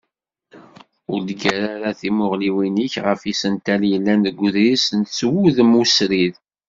Ur d-ggar ara timuɣliwin-ik ɣef yisental yellan deg uḍris s wudem usrid.